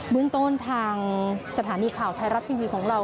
เมืองต้นทางสถานีข่าวไทยรัฐทีวีของเรา